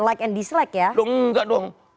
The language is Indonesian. like and dislike ya nggak dong